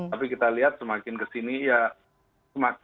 tapi kita lihat semakin kesini ya semakin